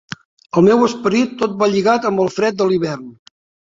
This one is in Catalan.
En el meu esperit tot va lligat amb el fred de l'hivern